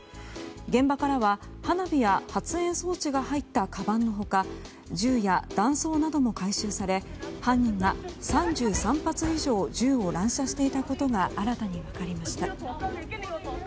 現場からは花火や発煙装置が入ったかばんの他銃や弾倉なども回収され犯人が３３発以上銃を乱射していたことが新たに分かりました。